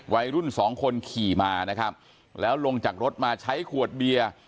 วัยรุ่นสองคนขี่มานะครับแล้วลงจากรถมาใช้ขวดเบียร์